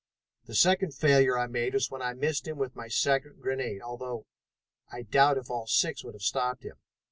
"The second failure I made was when I missed him with my second grenade, although I doubt if all six would have stopped him.